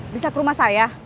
bisa ke rumah saya